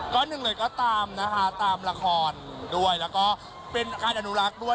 ก็หนึ่งเลยก็ตามนะคะตามละครด้วยแล้วก็เป็นการอนุรักษ์ด้วย